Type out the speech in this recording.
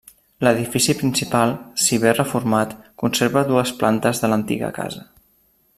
L'edifici principal, si bé reformat, conserva dues plantes de l'antiga casa.